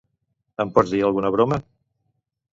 Em pots dir alguna broma?